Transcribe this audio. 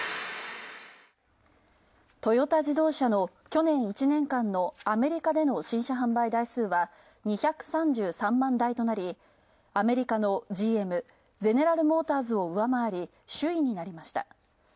トヨタ自動車の去年１年間のアメリカでの新車販売台数は２３３万台となりアメリカのＧＭ＝ゼネラル・モーターズを上回り、首位になりました。